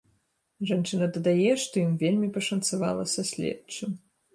Жанчына дадае, што ім вельмі пашанцавала са следчым.